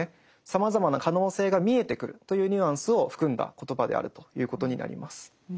さまざまな可能性が見えてくるというニュアンスを含んだ言葉であるということになります。